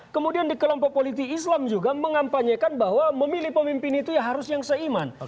kemudian di kelompok politik islam juga mengampanyekan bahwa memilih pemimpin itu ya harus yang seiman